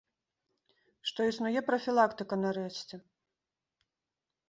Што існуе прафілактыка, нарэшце!